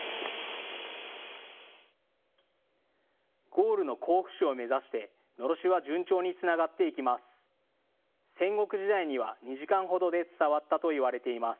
ゴールの甲府市を目指してのろしは順調につながっていきます。